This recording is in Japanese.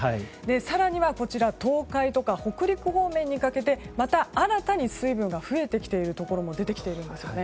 更には東海とか北陸方面にかけてまた新たに水分が増えてきているところも出てきているんですよね。